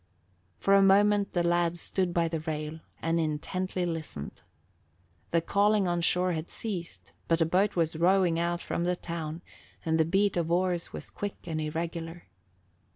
For a moment the lad stood by the rail and intently listened. The calling on shore had ceased, but a boat was rowing out from the town and the beat of oars was quick and irregular.